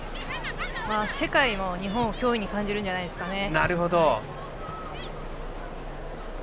世界も日本を脅威に感じるんじゃないですかね。